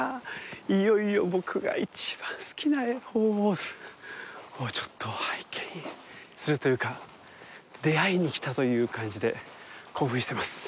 いよいよ、僕がいちばん好きな絵、「鳳凰図」をちょっと拝見するというか、出会いに来たという感じで、興奮してます。